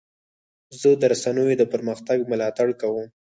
زه د رسنیو د پرمختګ ملاتړ کوم.